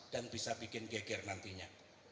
dan bisa bikin geger nantinya